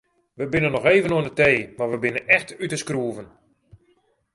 We binne noch even oan de tee mar we binne echt út de skroeven.